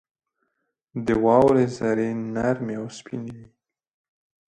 • د واورې ذرې نرمې او سپینې وي.